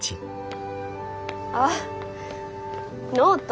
ああノート。